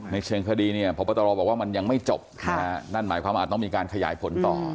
เชิงคดีเนี่ยพบตรบอกว่ามันยังไม่จบนั่นหมายความว่าอาจต้องมีการขยายผลต่อ